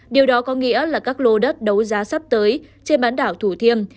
điều đó có nghĩa là các lô đất đấu giá sắp tới trên bán đảo thủ thiêm